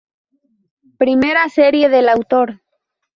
Primera serie del autor.